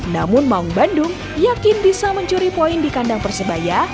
namun maung bandung yakin bisa mencuri poin di kandang persebaya